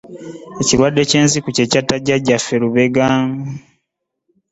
Ekirwadde ky'enziku kye kyatta jjajjaffe Lubega.